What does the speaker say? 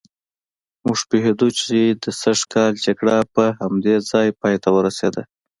موږ پوهېدو چې د سږ کال جګړه پر همدې ځای پایته ورسېده.